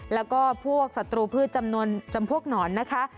แล้วก็พวกศัตรูพืชจำนวนจำพวกหนอนนะคะ